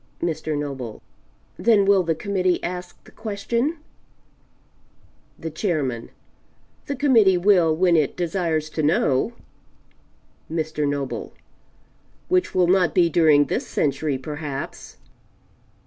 Mr. Noble "Then will the Committee ask the question?" The Chairman "The Committee will when it desires to know." Mr. Noble "Which will not be during this century perhaps."